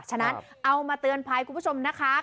ฉะนั้นเอามาเตือนภัยคุณผู้ชมนะคะ